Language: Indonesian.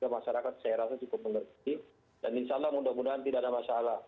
masyarakat saya rasa cukup mengerti dan insya allah mudah mudahan tidak ada masalah